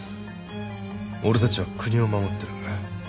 俺たちは国を守ってる。